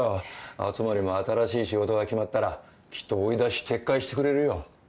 熱護も新しい仕事が決まったらきっと追い出し撤回してくれるよ。